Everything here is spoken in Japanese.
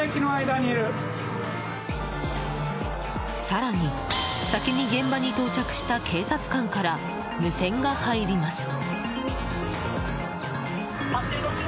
更に、先に現場に到着した警察官から無線が入ります。